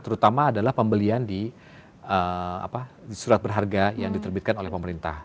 terutama adalah pembelian di surat berharga yang diterbitkan oleh pemerintah